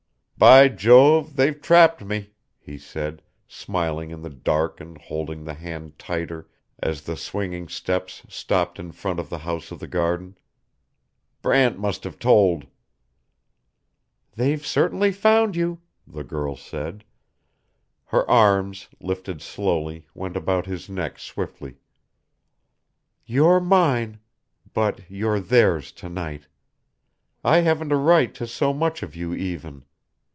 "By Jove, they've trapped me," he said, smiling in the dark and holding the hand tighter as the swinging steps stopped in front of the house of the garden. "Brant must have told." "They've certainly found you," the girl said. Her arms, lifted slowly, went about his neck swiftly. "You're mine but you're theirs to night. I haven't a right to so much of you even.